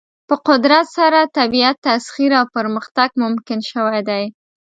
په قدرت سره طبیعت تسخیر او پرمختګ ممکن شوی دی.